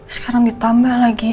sekarang ditambah lagi